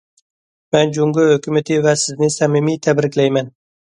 مەن جۇڭگو ھۆكۈمىتى ۋە سىزنى سەمىمىي تەبرىكلەيمەن.